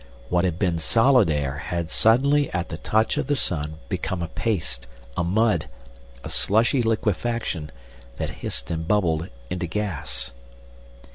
What had been solid air had suddenly at the touch of the sun become a paste, a mud, a slushy liquefaction, that hissed and bubbled into gas.